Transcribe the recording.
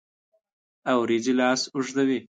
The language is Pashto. اوریځې لاس اوږدوي